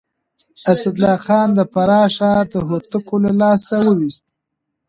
اسدالله خان د فراه ښار د هوتکو له لاسه وويست.